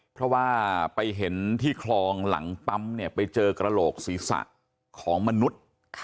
เพราะว่าไปเห็นที่คลองหลังปั๊มเนี่ยไปเจอกระโหลกศีรษะของมนุษย์